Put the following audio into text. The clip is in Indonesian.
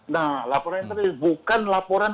nah laporan intelijen bukan laporan